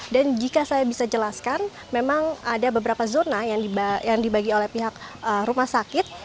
dan jika saya bisa jelaskan memang ada beberapa zona yang dibagi oleh pihak rumah sakit